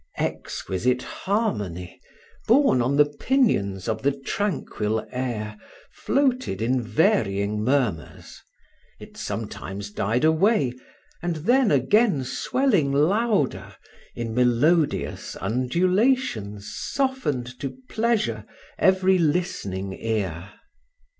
Exquisite harmony, borne on the pinions of the tranquil air, floated in varying murmurs: it sometimes died away, and then again swelling louder, in melodious undulations softened to pleasure every listening ear.